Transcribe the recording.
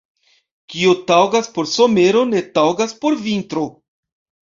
Kio taŭgas por somero, ne taŭgas por vintro.